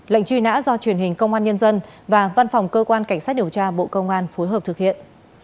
lệnh truy nã do truyền hình công an nhân dân và văn phòng cơ quan cảnh sát điều tra bộ công an phối hợp thực hiện